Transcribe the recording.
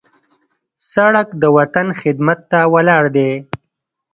سړک د وطن خدمت ته ولاړ دی.